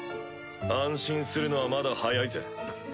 安心するのはまだ早いぜ。